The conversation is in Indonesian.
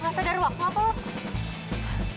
gak sedar waktu apa lu